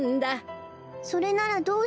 それならどうして？